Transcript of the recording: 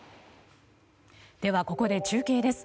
ここで中継です。